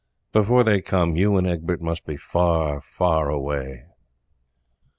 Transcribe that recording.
Before they come you and Egbert must be far away.